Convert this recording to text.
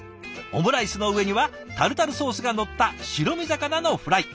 オムライスの上にはタルタルソースがのった白身魚のフライ。